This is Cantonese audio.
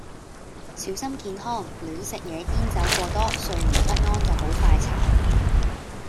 小心健康亂食野煙酒過多睡眠不安就好快殘。